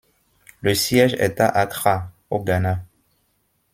Le siège est à Accra, au Ghana.